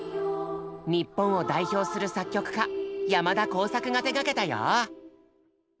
日本を代表する作曲家山田耕筰が手がけたよ。